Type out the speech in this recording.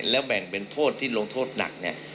แล้วแบ่งเป็นโทษที่ลงโทษหนักเนี่ย